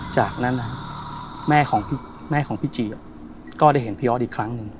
จากนั้นแม่ของแม่ของพี่จีก็ได้เห็นพี่ออสอีกครั้งหนึ่ง